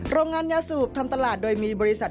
โรงงานยาสูบทำตลาดโดยมีบริษัท